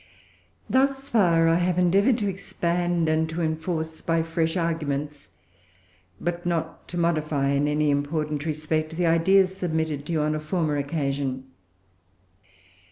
Thus far I have endeavoured to expand and to enforce by fresh arguments, but not to modify in any important respect, the ideas submitted to you on a former occasion.